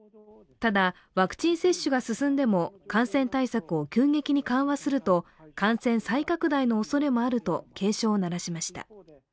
ただ、ワクチン接種が進んでも感染対策を急激に緩和すると感染再拡大のおそれもあると警鐘を鳴らしました。